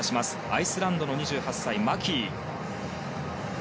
アイスランドの２８歳マキー。